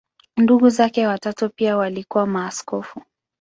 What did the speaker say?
Ndugu zake watatu pia walikuwa maaskofu.